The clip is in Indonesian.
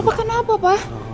apa kenapa pak